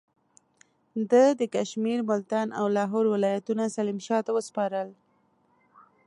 ده د کشمیر، ملتان او لاهور ولایتونه سلیم شاه ته وسپارل.